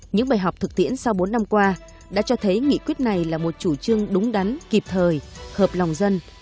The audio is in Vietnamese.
những bài học thực tiễn sau bốn năm qua đã cho thấy nghị quyết này là một chủ trương đúng đắn kịp thời hợp lòng dân